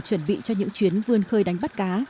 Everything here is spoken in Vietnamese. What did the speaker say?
chuẩn bị cho những chuyến vươn khơi đánh bắt cá